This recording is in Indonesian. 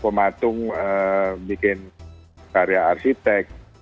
saya itu membuat karya arsitek